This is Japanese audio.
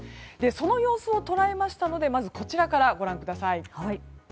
その様子を捉えましたのでこちらからご覧ください。